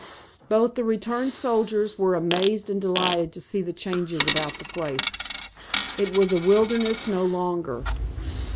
Both the returned soldiers were amazed and delighted to see the changes about the place. It was a wilderness no longer.